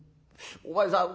「お前さん